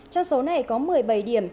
trong số này có một mươi bảy điểm